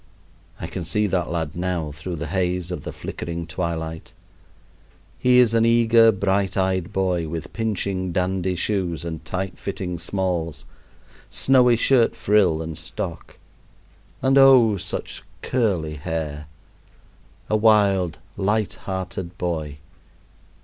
I can see that lad now through the haze of the flickering twilight. He is an eager bright eyed boy, with pinching, dandy shoes and tight fitting smalls, snowy shirt frill and stock, and oh! such curly hair. A wild, light hearted boy!